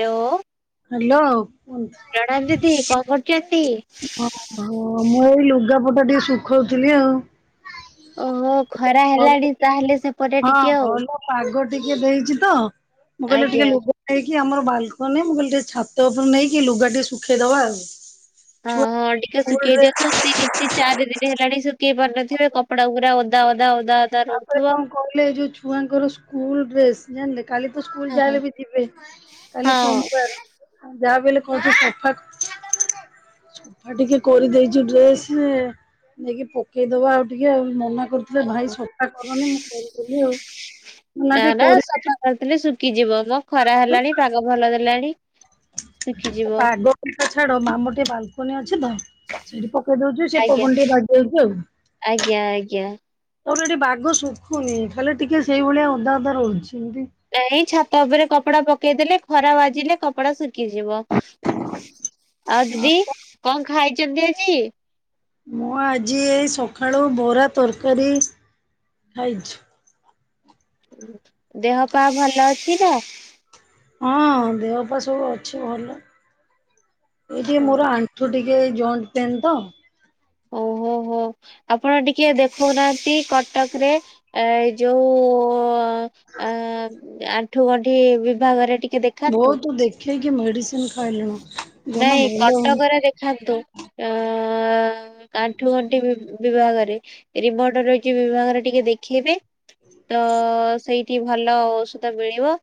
ଲୋ। Hello [unintelligible] [unintelligible] ଓହୋ ମୁଁ ଏଇ ଲୁଗାପଟା ଟିକେ ଶୁଖଉଥିଲି ଆଉ। ଓହୋ ଖରା ଭଲ- ହେଲାଣି ତାହେଲେ ସେପଟେ ହଁ ଟିକେ ଆଉ ଭଲ ପାଗ ଟିକେ ଦେଇଛି ତ ମୁଁ କହିଲି ଆଜ୍ଞା। ଟିକେ ଲୁଗା ହେଇକି ଆମର ବାଲକନି ମୁଁ କହିଲି ଟିକେ ଛା ତ [unintelligible] ନେଇକି ଲୁଗା ଟିକେ ଶୁଖେଇଦବା। ହଁ ଛୁଆ ହଁ ଟିକେ ସ୍କୁଲ ଶୁଖେଇ ଡ୍ରେସ ଦିଅନ୍ତୁ [unintelligible] ଚାରି ଦିନ ହେଲାଣି ଶୁକେଇ ପାରୁନଥିବେ କପଡା ପୁରା ଓଦା ଓଦା ଓଦା ଓଦା ରହୁଥିବ। କଲେଜ ଛୁଆଙ୍କର ସ୍କୁଲ ଡ୍ରେସ ଜାନିଲେ କାଲି ତ ସ୍କୁଲ ହଁ ଯା ହେଲେ ବି ଯିବେ କାଲି ହଁ ସୋମବାର। ଯାହା ବି ହେଲେ [unintelligible] ସଫା ସଫା ଟିକେ କରିଦେଇଚି ଡ୍ରେସ। ନେଇକି ପକେଇଦବା ଆଉ ଟିକେ ମନା କରୁଥିଲେ ଭାଇ ସଫା କରନି ମୁଁ କରଦେଲି ଆଉ। ନା ଟିକେ ନା କରି ସଫା କରିଦେଲେ ଶୁଖିଯିବ ମ ଖରା ହେଲାଣି ପାଗ ଭଲ ଦେଲାଣି। ଶୁଖିଯିବ ପାଗ ଛାଡ ମାମ ଟି ବାଲକୁନି ଅଛି ତ [unintelligible] ପକେଇ ଦଉଚି ସେ ଆଜ୍ଞା ପବନ ଟିକେ ବାଜିଆଉଛି ଆଉ। ଆଜ୍ଞା ଆଜ୍ଞା। [unintelligible] ଏଠି ବାଗ ଶୁଖୁନି। ଖାଲି ଟିକେ ସେଇଭଳିଆ ଓଦା ଓଦା ରହୁଛି ଏମିତି ନାଇଁ ଛାତ ଉପରେ କପଡା ପକେଇଦେଲେ ଖରା ବାଜିଲେ କପଡା ଶୁ ଖୀ ଯିବ। ଆଉ ଦିଦି କଣ ଖାଇଛନ୍ତି ଆଜି? ମୁଁ ଆଜି ଏଇ ସକାଳୁ ବରା, ତରକାରୀ ଖାଇଛୁ। ଦେହ ପା ଭଲ ଅଛି ନା? ହଁ ଦେହ ପା ସବୁ ଅଛି ଭଲ। ଏଇ ଟିକେ ମୋର ଆ ଣ୍ଠୁ ଟିକେ ଏ ଜଏଣ୍ଟ ପେନ୍ ତ। [inaudible] ହ ଆପଣ ଟିକେ ଦେଖଉନାହାନ୍ତି କଟକ ରେ ଏଇ ଯୋଉ-ଉ-ଉ-ଉ-ଉ ଅ-ଅ-ଅ ଆଣ୍ଠୁ ଗଣ୍ଠି ବିଭାଗରେ ଟିକେ ଦେଖ୍ ବହୁତ ଦେଖେଇକି ମେଡିସିନ ସ ନାଇଁ କଟକରେ ଦେଖାନ୍ତୁ। ଅ-ଅ-ଅ-ଅ ଆଣ୍ଠୁ ଗଣ୍ଠି ବି ବିଭାଗରେ ରିମୋଟ ରହିଛି ବିଭାଗରେ ଟିକେ ଦେଖେଇବେ ତ-ଅ-ଅ-ଅ ସେଇ ଟି ଭଲ ଔଷଧ ମିଳିବ।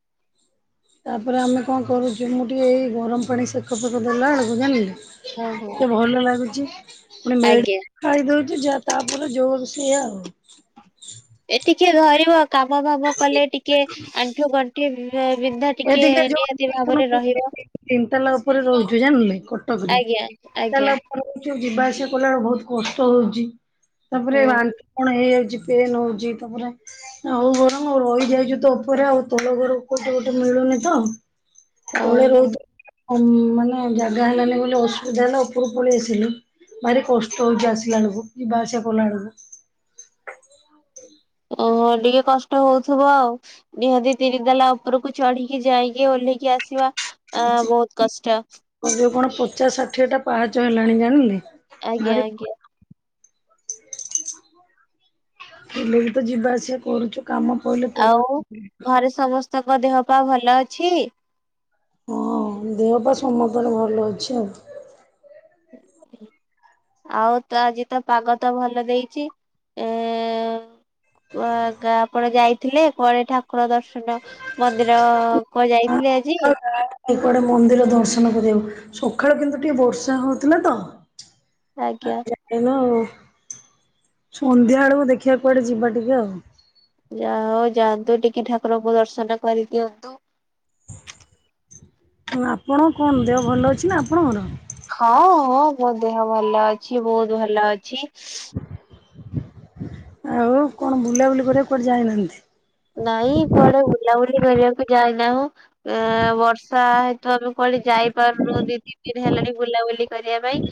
ତାପରେ ଆମେ କଣ କରୁଛୁ ମୁଁ ଟିକିଏ ଏଇ ଗରମ ପାଣି ସେକ ଫେକ ଦେଲାବେେଳକୁ ଜାଣିଲେ ହଁ ହଁ। ଟିକେ ଭଲ ଲାଗୁଛି ପୁଣି ମେଡ଼ ଆଜ୍ଞା ଖାଇଦଉଛି ଯା ତାପରେ ଜୋଉଆ କୁ ସେଆ ଆଉ। ଏଠି କିଏ ଧରିବ କାମ ଫାମ କଲେ ଟିକେ ଆଣ୍ଠୁ ଗଣ୍ଠି ବି ବିନ୍ଧା ଏ ଟିକେ ନିହାତି [unintelligible] ଭାବରେ ରହିବ ତିନି ତାଲା ଉପରେ ରହୁଛି ଜାଣିଲେ କଟକ ରେ ଆଜ୍ଞା ଆଜ୍ଞା। ତାଲା [unintelligible] ଯୋଉ ଯିବା ଆସିବା କଲାରୁ ବହୁତ କଷ୍ଟ ହଉଛି ତାପରେ ହଁ ବା କଣ ହେଇଯାଉଛି ପେନ୍ ହଉଛି ତାପରେ ହଉ ଗରମ ରହିଯାଇଛୁ ତ ଉପରେ ଆଉ ତଳ ଘର [unintelligible] ମିଳୁନି ତ ତଳେ ଓହୋ। ରହୁ ଅମ୍ ମାନେ ଜାଗା ହେଲାନ ବୋଲି ଅସୁବିଧା ହେଲା ଉପରକୁ ପଳେଇ ଆସିଲୁ। ଭାରି କଷ୍ଟ ହଉଛି ଆସିଲା ବେଳକୁ ଯିବା ଆସିବା କଲା ବେଳକୁ। ଓହୋ ଟିକେ କଷ୍ଟ ହଉଥିବ ଆଉ। ନିହାତି ତିରିତାଲା ଉପରକୁ ଚଢିକି ଯାଇକି ଓହ୍ଲେଇକି ଆସିବା ଅ ବହୁତ କଷ୍ଟ। ଅ ଯୋଉ କଣ ପଚାଶ ଷାଠିଏ ଟା ପାହାଚ ହେଲାଣି ଜାଣିଲେ। ଭାରି ଆଜ୍ଞା ଆଜ୍ଞା। ହେଲେ ବି ତ ଯିବା ଆସିବା କରୁଛୁ। କାମ ପଡିଲେ ତଳ [unintelligible] ଆରେ ସମସ୍ତ ଙ୍କ ଦେହ ପା ଭଲ ଅଛି? ହଁ ଦେହ ପା ସମସ୍ତର ଭଲ ଅଛି ଆଉ। ଆଉ ତ ଆଜି ତ ପାଗ ତ ଭଲ ଦେଇଛି ଏ-ଏ-ଏ-ଏ ଓ ଗା ଆପଣ ଯାଇଥିଲେ କୁଆଡେ ଠାକୁର ଦର୍ଶନ ମନ୍ଦିର-ଅ-ଅ କୁଆଡ଼େ ଯାଇଥିଲେ ଆଜି? [unintelligible] ସେପଟେ ମନ୍ଦିର ଦର୍ଶନ କରିବାକୁ ସକାଳୁ କିନ୍ତୁ ଟିକେ ବର୍ଷା ହଉଥିଲା ତ। ଆଜ୍ଞା ଆଉ ଯାଇନୁ ଆଉ। ସନ୍ଧ୍ୟା ବେଳକୁ ଦେଖିବା କୁଆଡେ ଯିବା ଟିକେ ଆଉ। ଯାଅ ଯାଆନ୍ତୁ ଟିକେ ଠାକୁରଙ୍କୁ ଦର୍ଶନ କରିଦିଅନ୍ତୁ। ହ ଆପଣ କଣ ଦେହ ଭଲ ଅଛି ନା ଆପଣଙ୍କର? ହଁ-ଅ-ଅ ମୋ ଦେହ ଭଲ ଅଛି ବହୁତ ଭଲ ଅଛି। ଆଉ କଣ ବୁଲାବୁଲି କରିବାକୁ କୁଆଡେ ଯାଇନାହାନ୍ତି? ନାଇଁ କୁଆଡେ ବୁଲାବୁଲି କରିବାକୁ ଯାଇନାହୁଁ। ଏ-ଏ-ଏ ବର୍ଷ ଷା ହେତୁ ଆମେ କୁଆଡେ ଯାଇପାରୁନୁ ଦି ତିନି ଦିନ ହେଲାଣି ବୁଲାବୁଲି କରିବା ପାଇଁ।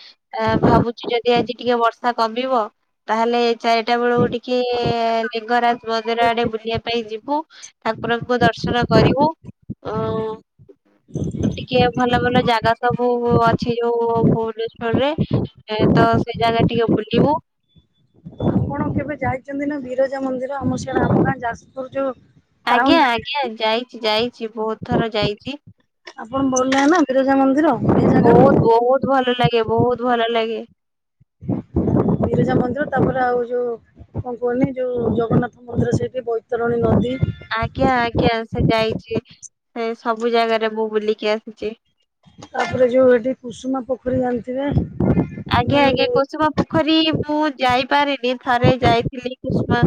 ଆ ଭାବୁଛିି ଯଦି ଆଜି ଟିକେ ବର୍ଷା କମିବ ତାହେଲେ ଚାରିଟା ବେଳକୁ ଟିକେ-ଏ-ଏ-ଏ ଲିଙ୍ଗରାଜ ମନ୍ଦିର ଆଡେ ବୁଲିବା ପାଇଁ ଯିବୁ ଠାକୁରଙ୍କୁ ଦର୍ଶନ କରିବୁ ଉ-ଉ-ଉ ଟିକେ ଭଲ ଭଲ ଜାଗା ସବୁ-ଉ-ଉ-ଉ ଅଛି ଯୋଉ ଭୁବନେଶ୍ଵରରେ। ଏ ତ ସେ ଜାଗା ଟିକେ ବୁଲିବୁ। ଆପଣ କେବେ ଯାଇଚନ୍ତି ନା ବିରଜା ମନ୍ଦିର? ଆମ ଆମ ଗାଁ ଯାଜ୍‌ପୁର ଯଉ ଆଜ୍ଞା ଆଜ୍ଞା, ଯାଇଚି ଯାଇଚି ବହୁତ୍ ଥର ଯାଇଚି। [inaudible] ବହୁତ୍ ଭଲ ଲାଗେ ବହୁତ୍ ଭଲ ଲାଗେ। ମନ୍ଦିର ତା'ପରେ ଆଉ କୁହନି ଯଉ ଜଗନ୍ନାଥ ମନ୍ଦିର ସେଇଠି, ବୈତରଣୀ ନଦୀ ଆଜ୍ଞା ଆଜ୍ଞା, ସେ ଯାଇଚି ସବୁ ଜାଗାରେ ମୁଁ ବୁଲିକି ଆସିଚି। ତା'ପରେ ଯଉ ଠି କୁସୁମା ପୋଖରୀ ଜା--ଥିବେ। ଆଜ୍ଞା ଆଜ୍ଞା, କୁସୁମା ପୁଖରୀ ମୁଁ ଯାଇପା ଥରେ ଯାଇଥିଲି। କୁସ୍‌ମା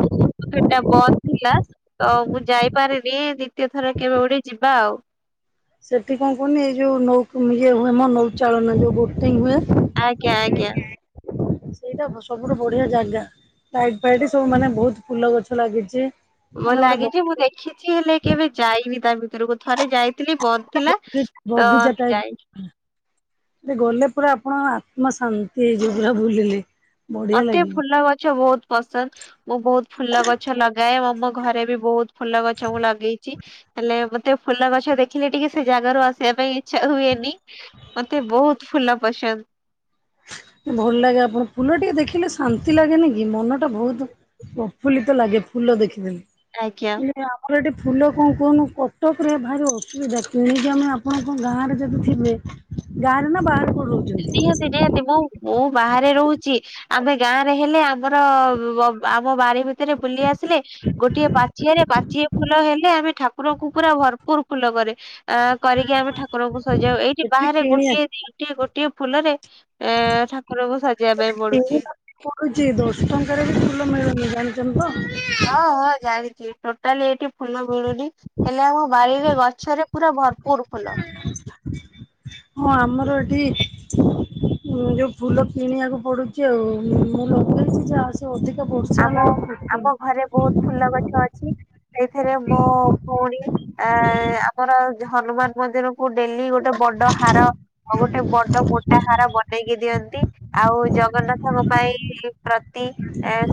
ଟା ବ ଥିଲା, ତ ମୁଁ ଯାଇ ପାରି ଦିତୀୟ ଥର କେବେ ଗୋଟେ ଯିବା ଆଉ। ସେଠି କ'ଣ କହୁନି, ଏଇ ଯଉ ହୁଏ ମ ନୌଚାଳନା ଯଉ ବୋଟିଂ ହୁଏ। [inaudible] ସେଇଟା ସବୁଠୁ ବଢ଼ିଆ ଜାଗା, ଲାଇଟ୍ ଇଟ୍ ସବୁ ମାନେ ବହୁତ୍ ଫୁଲ ଗଛ ଲାଗିଚି। ଲାଗିଚି, ମୁଁ ଦେଖିଚି ହେଲେ କେବେ ଯାଇନି ତା ଭିତ---କୁ। ଥରେ ଯାଇଥିଲି ବ ବଗି ବଗିଚା [inaudible] ଟାଇପ ଗଲେ ପୁରା ଆପଣ ଆତ୍ମ ଶାନ୍ତି ହେଇଯିବ, ପୁରା ବୁଲିଲେ। ବଢିଆ ମତେ ଲାଗିବ ଫୁଲ ଗଛ ବହୁତ୍ ପସନ୍ଦ୍, ମୁଁ ବହୁତ୍ ଫୁଲ ଗଛ ଲ ଘରେ ବି ବହୁତ୍ ଫୁଲ ଗଛ ମୁଁ ଲଗେଇଚି। ହେଲେ ମତେ ଫୁଲ ଗଛ ଦେଖିଲେ ଟିକେ, ସେ ଜାଗା ର ଆସିବା ପାଇଁ ହୁଏନି, ମତେ ବହୁତ୍ ଫୁଲ ପସନ୍ଦ୍। ଭଲ୍ ଲାଗେ, ଫୁଲ ଟିକେ ଦେଖିଲେ ଶାନ୍ତି ଲାଗେନି କି? ମନ ଟା ପ୍ରଫୁଲ୍ଲିତ ଲାଗେ, ଫୁଲ ଦେଖି ଦେଲେ। ଆଜ୍ଞା। [inaudible] ଗାଁ ରେ ନା ବାହାରେ ରହୁଛନ୍ତି [inaudible] ମୁଁ ବାହାରେ ରହୁଚି, ଆମେ ଗାଁରେ ହେଲେ ଆମ୍ର ଆମ ବା ବୁଲି ଆସିଲେ, ଗୋଟିଏ ପାଚିଆ ରେ ପାଚିଏ ଫୁଲ ହେଲେ ଆମେ ପୁରା ଭର୍ପୁର୍ ଫୁଲ କରେ କରିକି ଆମେ ଠାକୁରଙ୍କୁ ସଜାଉ, ଏଇଠି ସେଠି ବାହାରେ କିଣି ଗୋଟିଏ ଦିଇ ଗୋଟିଏ ଫୁଲରେ ଠାକୁରଙ୍କୁ ସଜେଇବା ପାଇଁ ଆଣି ପଡୁଚି। [inaudible] ହଁ ହଁ ଜାଣିଚି, ଟୋଟାଲି ଏ--ଠି ଫୁଲ ମିଳୁନି। ହେଲେ ଆମ ବାଡ଼ିରେ ଗଛରେ ପୁରା ଭର୍ପୁର୍ ଫୁଲ। [inaudible] [inaudible] ଆମ ଆମ ଘରେ [inaudible] [inaudible] ସେଇଥିରେ ମୋ ଭଉଣୀ ଆମର ହନୁମାନ୍‌ ମନ୍ଦିର ଡ଼େଲି ଗୋଟେ ବଡ଼ ହାର, ଗୋଟେ ବଡ଼ ମୋଟା ହାର ବନେଇକି ଦିଅନ୍ତି। ଆଉ ଜଗନ୍ନାଥଙ୍କ ପାଇଁ ପ୍ରତି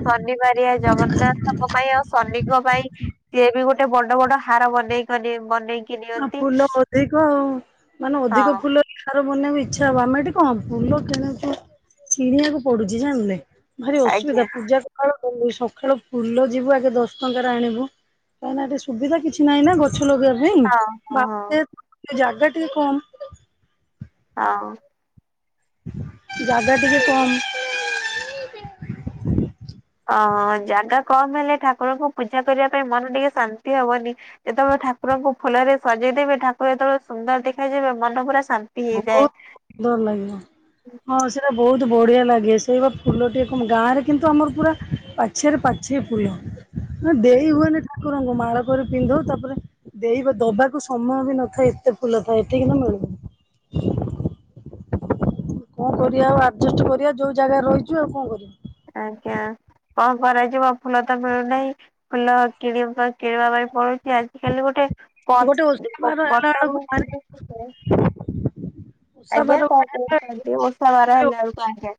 ଶନି ବାରିଆ ଜଗନ୍ନାଥଙ୍କ ପାଇଁ, ଆଉ ଶନିଙ୍କ ପାଇଁ ସିଏ ବି ଗୁଟେ ବଡ଼ ବଡ଼ ହାର ବନେଇ ନିଅନ୍ତି ଫୁଲ ଅଧିକ ଆଉ। ମାନେ ହଁ। ଅଧିକ ଫୁଲ ହାର ବନେଇ---କୁ ଇଚ୍ଛା ହବ, ଆମେ ଏଠି କ'ଣ ଫୁଲ କିଣୁଚୁ, କିଣି--କୁ ପଡୁଚି ଜାଣ୍ଲେ। ଭାରି ଅସୁବିଧା, ଆଜ୍ଞା ପୂଜା ସଖାଳୁ ଫୁଲ ଯିବୁ ଆଗେ ଦଶ୍ ଟଙ୍କାରେ ଆଣିବୁ। ହଁ ହଁ [inaudible] [inaudible] [inaudible] ଜାଗା କମ୍ ହେଲେ, ଠାକୁରଙ୍କୁ ପୂଜା କରିବା ପାଇଁ ମନ ଟିକେ ଶାନ୍ତି ବନି। ଯେତେବେଳେ ଠାକୁରଙ୍କୁ ଫୁଲରେ ସଜେଇ ଦେବେ ଠାକୁର ଯେତେବେଳେ ସୁନ୍ଦର ଦେଖା ଯିବେ ମନ ପୁରା ଶା ବହୁତ ସୁନ୍ଦର ଲାଗିବ। ହଁ ସେଇଟା ବହୁତ ବଢିଆ ଲାଗେ ସେଇ ବା ଫୁଲ ଟେ କ ମ ଗାଁ ରେ କିନ୍ତୁ ଆମର ପୁରା ଆ ଛିଆରେ ପାଛିଏ ଫୁଲ ଅଁ ଦେଇ ହୁଏନି ଠାକୁରଙ୍କୁ ମାଳ କରି ପିନ୍ଧଉ ତାପରେ। ଦେଇବ ଦବାକୁ ସମୟ ବି ନଥାଏ ଏତେ ଫୁଲ ଥାଏ ଏଠି କିନ୍ତୁ ମିଳୁନି। କଣ କରିବା ଆଉ ଆଡଜଷ୍ଟ କରିବା ଯୋଉ ଜାଗାରେ ରହିଛୁ ଆଉ କଣ କରିବୁ। ଆଜ୍ଞା କଣ କରାଯିବ ଫୁଲ ତ ମିଳୁନାହିଁ। ଫୁଲ କିଣବା କିଣିବା ପାଇଁ ପଡୁଛି ଆଜିକାଲି ଗୋଟେ। ଗୋଟେ ଓଷା ବାର ହେଲା କ-କ-କ-କଟା ବେଳକୁ ଭାରି [inaudible] ଓଷା ଆଜ୍ଞା ବାର କଣ ଗୋଟେ ହେଲା କହୁଛନ୍ତି ଓଷା ବାର ହେଲା ବେଳକୁ ଆଜ୍ଞା।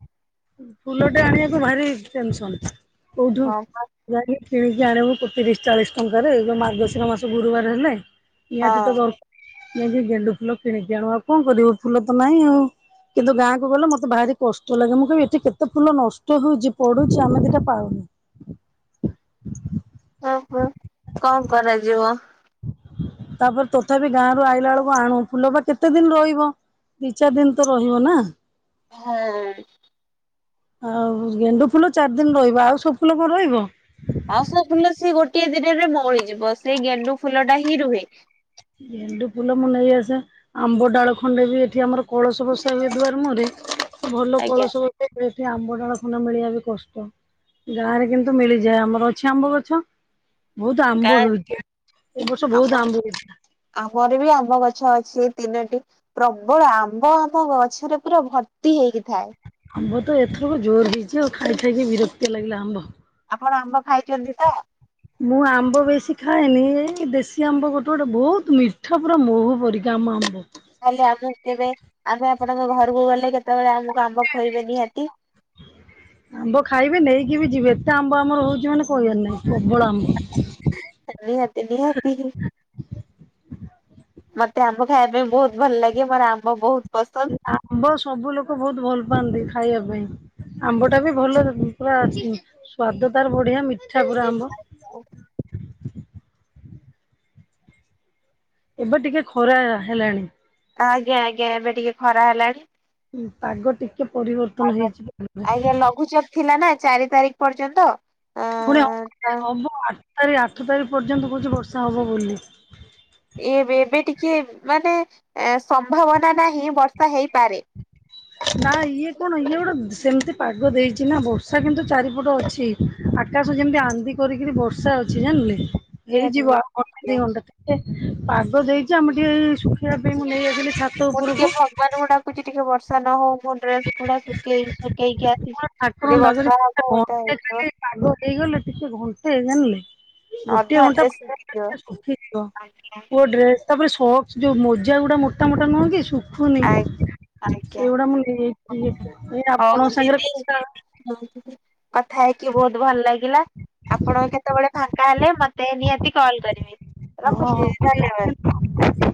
ଫୁଲ ଟେ ଆଣିବାକୁ ଭାରି ଟେନସନ କୋଉଠୁ। ହଁ ପା ଯାଇକି କିଣିକି ଆଣିବୁ କୁ ତିରିଶ ଚାଳିଶ ଟଙ୍କାରେ ଏଇ ଯୋଉ ମାର୍ଗଶିର ମାସ ଗୁରୁବାର ହେଲେ। ନିହାତି ତ ହଁ। ଦର [unintelligible] ଗେଣ୍ଡୁ ଫୁଲ କିଣିକି ଆଣୁ ଆଉ କଣ କରିବୁ ଫୁଲ ତ ନାହିଁ ଆଉ। କିନ୍ତୁ ଗାଁକୁ ଗଲେ ମତେ ଭାରି କଷ୍ଟ ଲାଗେ ମୁଁ କହିବି ଏ ଚି କେତେ ଫୁଲ ନଷ୍ଟ ହଉଛି ପଡୁଛି ଆମେ ଦିଟା ପାଉନି। ଓହୋ କଣ କରାଯିବ? ତାପରେ ତଥାପି ଗାଁ ରୁ ଆଇଲା ବେଳକୁ ଆଣୁ। ଫୁଲ ବା କେତେ ଦିନ ରହିବ? ଦି ଚାରି ଦିନ ତ ରହିବ ନା। ହଁ। ଆଉ ଗେଣ୍ଡୁ ଫୁଲ ଚାରି ଦିନ ରହିବ। ଆଉ ସବୁ ଫୁଲ କଣ ରହିବ? ଆଉ ସବୁ ଫୁଲ ସିଏ ଗୋଟିଏ ଦିନରେ ମଉଳିଯିବ ସେଇ ଗେଣ୍ଡୁ ଫୁଲ ଟା ହିଁ ରୁହେ। ଗେଣ୍ଡୁ ଫୁଲ ମୁଁ ନେଇ ଆସେ। ଆମ୍ବ ଡାଳ ଖଣ୍ଡେ ବି ଏଠି ଆମର କଳସ ବଷା ହୁଏ ଦୁଆର ମୁହଁରେ ଭଲ ଆଜ୍ଞା କଳସ। ଏଠି ଆମ୍ବଡାଳ ଖଣ୍ଡ ମିଳିବା ବି କଷ୍ଟ। ଗାଁ ରେ କିନ୍ତୁ ମିଳିଯାଏ ଆମର ଅଛି ଆମ୍ବ ଗଛ। ବହୁତ ଆମ୍ବ ଗାଁ ହଉ ଏ ବର୍ଷ ବହୁତ ଆମ ଆମ୍ବ ହେଇଥିଲା। ଆମର ବି ଆମ ଗଛ ଅଛି ଏଇ ତିନୋଟି। ପ୍ରବଳ ଆମ୍ବ ଆମ ଗଛରେ ପୁରା ଭର୍ତ୍ତି ହେଇକି ଥାଏ। ଆମ୍ବ ତ ଏଥରକ ଜୋର ହେଇଛି ଆଉ ଖାଇ ଖାଇକି ବିରକ୍ତିଆ ଲାଗିଲା ଆମ୍ବ। ଆପଣ ଆମ୍ବ ଖାଇଛନ୍ତି ତ? ମୁଁ ଆମ୍ବ ବେଶୀ ଖାଏନି ଦେଶୀ ଆମ୍ବ ଗୋଟେ ଗୋଟେ ବହୁତ ମିଠା ପୁରା ମହୁ ପରି। ଆମ ଆମ୍ବ। ତାହେଲେ ଆମକୁ କେବେ ଆମେ ଆପଣଙ୍କ ଘରକୁ ଗଲେ କେତେବେଳେ ଆମକୁ ଆମ୍ବ ଖୁଏଇବେ ନିହାତି। ଆମ୍ବ ଖାଇବେ ନେଇକି ବି ଯିବେ ଏତେ ଆମ୍ବ ଆମର ହଉଛି ମାନେ କହିବାର ନାଇଁ ପ୍ରବଳ ଆମ୍ବ। ନିହାତି ନିହାତି। ମତେ ଆମ୍ବ ଖାଇବା ପାଇଁ ବହୁତ ଭଲ ଲାଗେ ମୋର ଆମ୍ବ ବହୁତ ପସ ଆମ୍ବ ସବୁ ଲୋକ ବହୁତ ଭଲ ପାଆନ୍ତି ଖାଇବା ପାଇଁ। ଆମ୍ବ ଟା ବି ଭଲ ଉଁ ପୁରା ଉଁ ସ୍ଵାଦ ତାର ବଢିଆ ମିଠା ପୁରା ଆମ୍ବ। ଆଉ। ଏବେ ଟିକେ ଖରା ହେଲାଣି। ଆଜ୍ଞା ଆଜ୍ଞା ଏବେ ଟିକେ ଖରା ହେଲାଣି। ହୁଁ ପାଗ ଟିକେ ପରିବର୍ତ୍ତନ ହେଇଛି ଆଜ୍ଞା [unintelligible] ଲଘୁଚାପ ଥିଲା ନା ଚାରି ତାରିଖ ପର୍ଯ୍ୟନ୍ତ। ଅ ଫୁଣି [inaudible] ହବ ଆଠ ତାରିଖ ଆଠ ତାରିଖ ପର୍ଯ୍ୟନ୍ତ କହୁଛି ବର୍ଷା ହବ ବୋଲି। ଏବେ ଏବେ ଟିକେ ମାନେ ଏ ସମ୍ଭାବନା ନାହିଁ ବର୍ଷା ହେଇପାରେ। ନା ଇଏ କଣ ଇଏ ଗୋଟେ ସେମିତି ପାଗ ଦେଇଛି ନା ବର୍ଷା କିନ୍ତୁ ଚାରିପଟ ଅଛି। ଆକାଶ ଯେମିତି ଆନ୍ଦି କରିକିରି ବର୍ଷା ଅଛି ଜାଣିଲେ। ନିହାତି ହେଇଯିବ ଆଉ ନିହାତି ଘଣ୍ଟେ ଦି ଆଜ୍ଞା। ଘଣ୍ଟା ଟେ ପାଗ ଦେଇଛି ଆମେ ଟିକେ ଏଇ ଶୁଖେଇବା ପାଇଁ ମୁଁ ନେଇ ଆସିଲି ଛା ମୁଁ ଟିକିଏ ଭଗବାନଙ୍କୁ ଡାକୁଛି ଟିକେ ବର୍ଷା ନ ହଉ ମୁଁ ଡ୍ରେସ ଗୁଡ଼ା ଶୁଖେଇ ଶୁଖେଇକି ଆ ମୁଁ ଠାକୁରଙ୍କୁ ଡାକୁଛି ହେଇଯିବ [unintelligible] ହେଇଗଲେ ଟିକେ ଘଣ୍ଟେ ହେଇ ଜଣିଲେ ଗୋଟେ ଅଧା ଘଣ୍ଟା ଡ୍ରେସ ଶୁଖିଯିବ। [unintelligible] ଶୁଖିଯିବ ଆଜ୍ଞା। ପୁଅ ଡ୍ରେସ୍। ତାପରେ ସକ୍ସ ଯୋଉ ମୋଜା ଗୁଡ଼ା ମୋଟ ମୋଟା ନୁହଁ କି ଶୁଖୁ ନି ଆଜ୍ଞା ଆଜ୍ଞା ସେଗୁଡ଼ା ମୁଁ ନେଇଯାଇ ଏ ଆପଣଙ୍କ ସାଙ୍ଗରେ କଥା ହଁ କଥା ହେଇକି ବହୁତ ଭଲ ଲାଗିଲା ଲା ଆପଣଙ୍କ କେତେବେଳେ ଫାଙ୍କା ହେଲେ ମତେ ନିହାତି କଲ କରିବେ। ରଖୁଛି ଧନ୍ୟବାଦ୍ ହଁ ଆଜ୍ଞା।